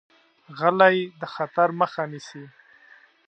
غلی، د خطر مخه نیسي.